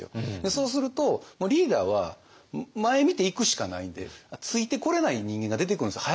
そうするとリーダーは前見ていくしかないんでついてこれない人間が出てくるんですよ。